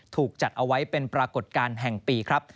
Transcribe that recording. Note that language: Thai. ถูกจัดเอาไว้เป็นปรากฏการณ์แห่งปีครับ